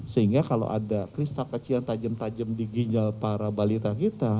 sehingga kalau ada kristal kecil yang tajam tajam di ginjal para balita kita